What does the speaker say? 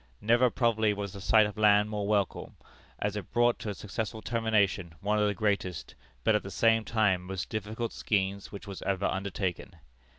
Never, probably, was the sight of land more welcome, as it brought to a successful termination one of the greatest, but, at the same time, most difficult schemes which was ever undertaken.